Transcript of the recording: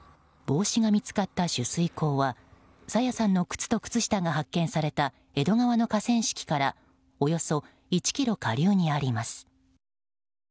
帽子が見つかった取水口は朝芽さんの靴と靴下が発見された、江戸川の河川敷からおよそ１ｋｍ下流にあります。